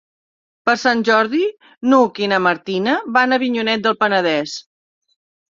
Per Sant Jordi n'Hug i na Martina van a Avinyonet del Penedès.